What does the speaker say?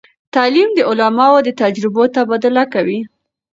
تعلیم د علماوو د تجربو تبادله کوي.